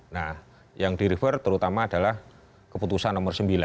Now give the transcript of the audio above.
nah yang direfer terutama adalah keputusan nomor sembilan